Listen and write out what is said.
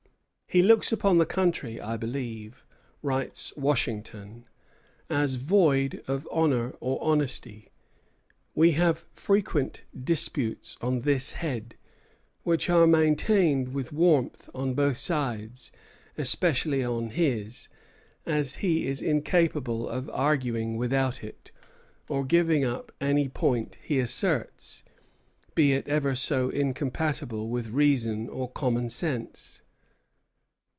"He looks upon the country, I believe," writes Washington, "as void of honor or honesty. We have frequent disputes on this head, which are maintained with warmth on both sides, especially on his, as he is incapable of arguing without it, or giving up any point he asserts, be it ever so incompatible with reason or common sense."